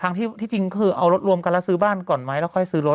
ที่จริงคือเอารถรวมกันแล้วซื้อบ้านก่อนไหมแล้วค่อยซื้อรถ